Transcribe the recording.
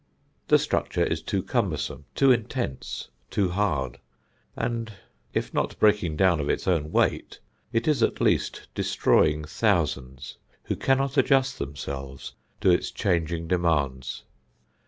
The structure is too cumbersome, too intense, too hard, and if not breaking down of its own weight, it is at least destroying thousands who cannot adjust themselves to its changing demands.